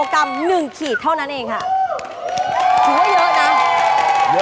สุดท้าย